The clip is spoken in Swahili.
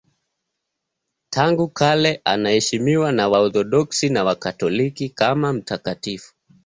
Tangu kale anaheshimiwa na Waorthodoksi na Wakatoliki kama mtakatifu.